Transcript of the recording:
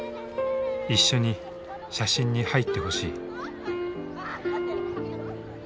「一緒に写真に入ってほしい」。